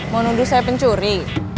mau nuduh saya pencuri